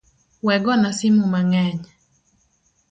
We gona simu mang’eny